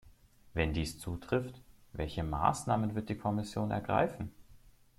Wenn dies zutrifft, welche Maßnahmen wird die Kommission ergreifen?